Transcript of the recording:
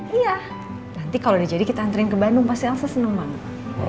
iya nanti kalau udah jadi kita anterin ke bandung pak si elsa seneng banget